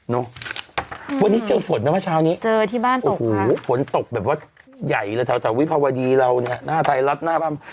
นี่วันนี้เจอฝนนะเช้านี้โอ้โหฝนตกแบบว่าใหญ่เลยเฉาวิภาวดีเราเนี่ยหน้าไทยรัดหน้าบ้าง